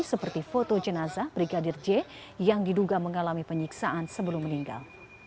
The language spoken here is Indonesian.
seperti foto jenazah brigadir j yang diduga mengalami penyiksaan sebelum meninggal